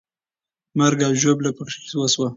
مرګ او ژوبله پکې وسوه.